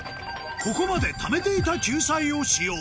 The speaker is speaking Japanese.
ここまでためていた救済を使用